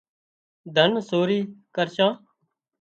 ڌن سورِي ڪرشان